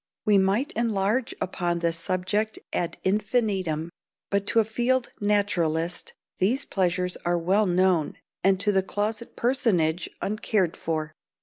We might enlarge upon this subject ad infinitum, but to a field naturalist these pleasures are well known, and to the closet personage uncared for.